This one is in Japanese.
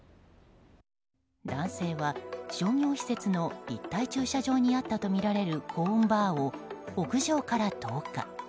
男性は商業施設の立体駐車場にあったとみられるコーンバーを屋上から投下。